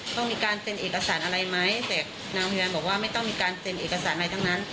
ต้องมีการเซ็นเอกสารอะไรไหมแต่นางพยาบาลบอกว่าไม่ต้องมีการเซ็นเอกสารอะไรทั้งนั้น